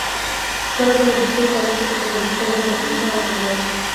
ফলাফলের দিক থেকে কলেজটি চট্টগ্রাম শিক্ষা বোর্ডে দশম স্থান অর্জন করেছে।